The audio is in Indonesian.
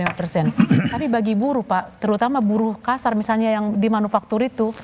tapi bagi buruh pak terutama buruh kasar misalnya yang di manufaktur itu